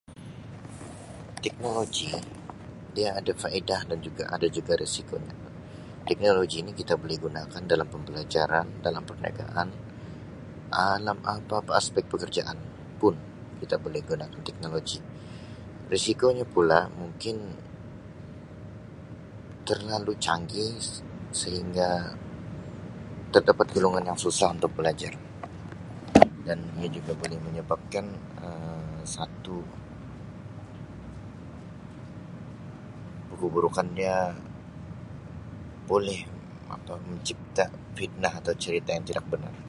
Teknologi dia ada faedah dan juga ada juga risiko nya teknologi ni kita boleh gunakan dalam pembelajaran, dalam perniagaan dalam apa apa aspek pekerjaan pun kita gunakan teknologi risiko nya pula mungkin terlalu canggih sehingga terdapat golongan yang susah untuk belajar dan ia juga oleh menyebabkan Um satu keburukan dia boleh mencipta fitnah atau cerita yang tidak benar.